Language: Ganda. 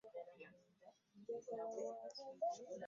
Omugole ekiteeteeyi tekikyamutuuka.